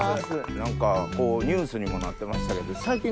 何かこうニュースにもなってましたけど。